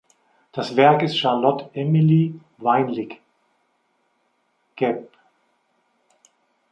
Das Werk ist Charlotte Emilie Weinlig geb.